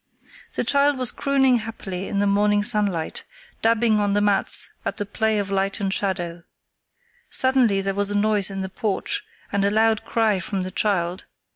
The child was crooning happily in the morning sunlight, dabbing on the mats at the play of light and shadow. Suddenly there was a noise in the porch and a loud cry from the child.